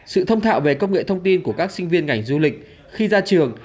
sự thông thạo về công nghệ thông tin của các sinh viên ngành du lịch khi ra trường